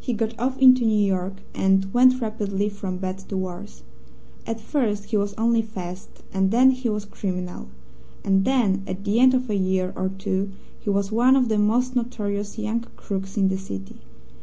He got off into New York, and went rapidly from bad to worse. At first he was only fast, and then he was criminal; and then, at the end of a year or two, he was one of the most notorious young crooks in the city.